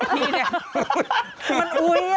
มันอุ๊ย